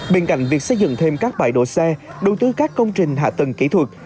bên cạnh việc xây dựng thêm các bãi đổ xe đầu tư các công trình hạ tầng kỹ thuật